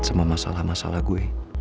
sama masalah masalah gue